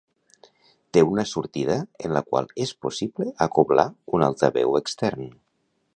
Té una sortida en la qual és possible acoblar un altaveu extern.